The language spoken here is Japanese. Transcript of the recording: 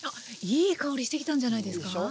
いい香りしてきたんじゃないですか？でしょ？